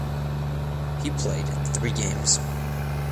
He played in three games.